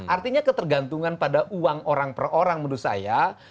artinya ketergantungan pada uang orang per orang menurut saya